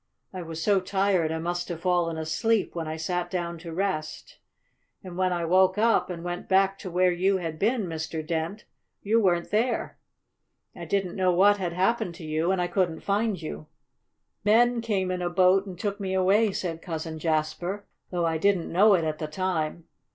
I was so tired I must have fallen asleep when I sat down to rest, and when I woke up, and went back to where you had been, Mr. Dent, you weren't there. I didn't know what had happened to you and I couldn't find you." "Men came in a boat and took me away," said Cousin Jasper, "though I didn't know it at the time.